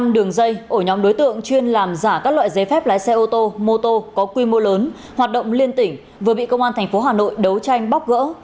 năm đường dây ở nhóm đối tượng chuyên làm giả các loại giấy phép lái xe ô tô mô tô có quy mô lớn hoạt động liên tỉnh vừa bị công an thành phố hà nội đấu tranh bóc gỡ